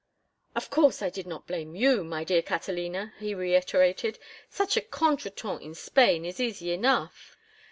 "Of course I did not blame you, my dear Catalina," he reiterated. "Such a contretemps in Spain is easy enough.